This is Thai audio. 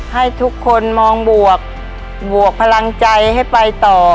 ให้ทุกคนมองบวกบวกพลังใจให้ไปต่อ